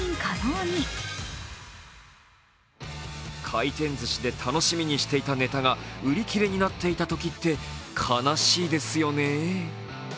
回転ずしで楽しみにしていたネタが売り切れになっていたときって悲しいですよね。